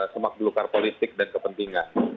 semak belukar politik dan kepentingan